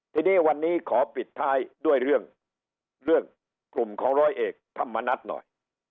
ทีนี้วันนี้ขอปิดท้ายด้วยเรื่องเรื่องกลุ่มของร้อยเอกธรรมนัฐหน่อย